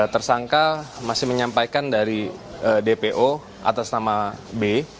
tersangka masih menyampaikan dari dpo atas nama b